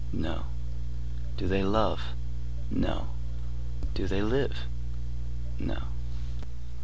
No. Do they love? No. Do they live? No.